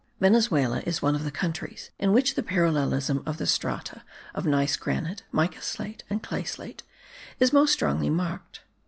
Venezuela is one of the countries in which the parallelism of the strata of gneiss granite, mica slate and clay slate, is most strongly marked.